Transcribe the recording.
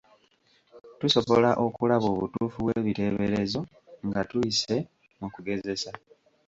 Tusobola okulaba obutuufu bw’ebiteeberezo nga tuyise mu kugezesa.